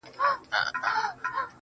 او په تصوير كي مي.